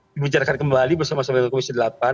dibicarakan kembali bersama sama dengan komisi delapan